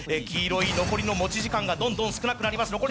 黄色い残りの持ち時間がどんどん少なくなります。